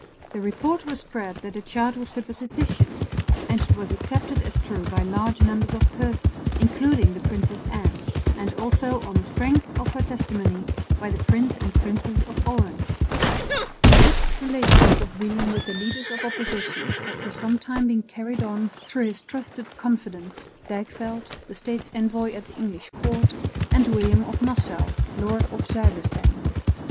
The report was spread that the child was supposititious and it was accepted as true by large numbers of persons, including the Princess Anne, and also, on the strength of her testimony, by the Prince and Princess of Orange. The secret relations of William with the leaders of opposition had for some time been carried on through his trusted confidants, Dijkveld, the State's envoy at the English Court, and William of Nassau, lord of Zuilestein.